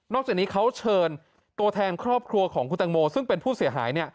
จากนี้เขาเชิญตัวแทนครอบครัวของคุณตังโมซึ่งเป็นผู้เสียหาย